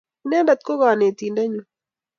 Inendet ko konitindenyu